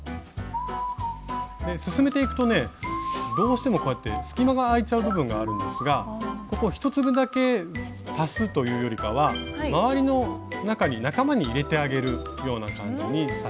進めていくとねどうしてもこうやって隙間があいちゃう部分があるんですがここ１粒だけ足すというよりかは周りの中に仲間に入れてあげるような感じに刺していきたいと思います。